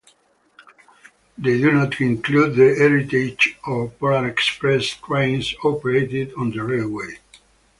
They do not include the Heritage or Polar Express trains operated on the railway.